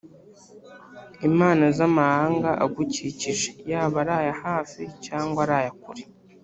imana z’amahanga agukikije, yaba ari aya hafi cyangwa ari aya kure,